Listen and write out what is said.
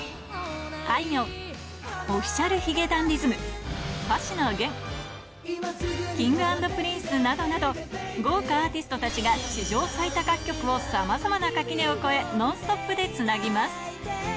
あいみょん、ｏｆｆｉｃｉａｌ髭男ｄｉｓｍ、星野源、Ｋｉｎｇ＆Ｐｒｉｎｃｅなどなど、豪華アーティストたちが、史上最多楽曲をさまざまな垣根を越え、ノンストップでつなぎます。